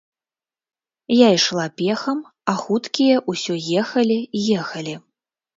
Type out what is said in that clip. Я ішла пехам, а хуткія ўсё ехалі, ехалі.